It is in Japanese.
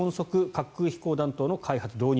滑空飛行弾頭の開発・導入